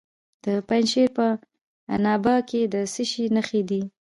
د پنجشیر په عنابه کې د څه شي نښې دي؟